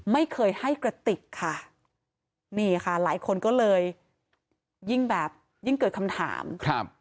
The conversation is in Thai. ไม่เคยให้กระติกค่ะนี่ค่ะหลายคนก็เลยยิ่งแบบยิ่งเกิดคำถามครับ